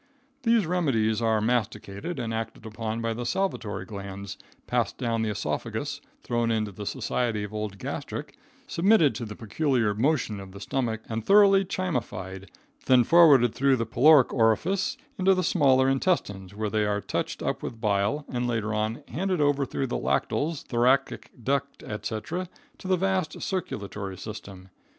These remedies are masticated and acted upon by the salivary glands, passed down the esophagus, thrown into the society of old gastric, submitted to the peculiar motion of the stomach and thoroughly chymified, then forwarded through the pyloric orifice into the smaller intestines, where they are touched up with bile, and later on handed over through the lacteals, thoracic duct, etc., to the vast circulatory system.